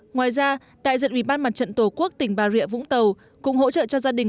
ngoài ra đại diện ủy ban mặt trận tổ quốc tỉnh bà rịa vũng tàu cũng hỗ trợ cho gia đình